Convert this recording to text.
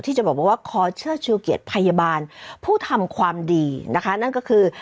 ที่จะบอกว่าขอเชื่อชูเกียรติพยาบาลผู้ทำความดีนะคะนั่นก็คือ